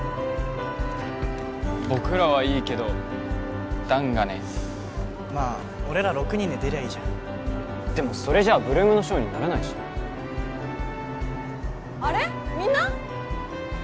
僕らはいいけど弾がねまあ俺ら６人で出りゃいいじゃんでもそれじゃあ８ＬＯＯＭのショーにならないしあれみんな？